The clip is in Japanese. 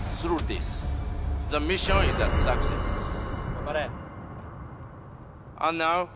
「頑張れ！」